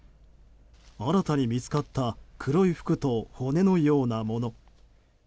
新たに見つかった黒い服と骨のようなもの。